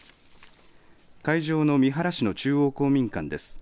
会場の三原市の中央公民館です。